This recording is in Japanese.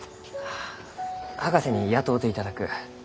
あ博士に雇うていただく。